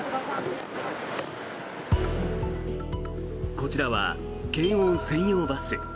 こちらは検温専用バス。